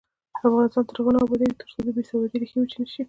افغانستان تر هغو نه ابادیږي، ترڅو د بې سوادۍ ریښې وچې نشي.